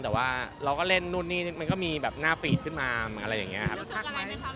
แต่ว่าเราก็เล่นนู่นนี่มันก็มีแบบหน้าปีดขึ้นมาอะไรอย่างนี้ครับ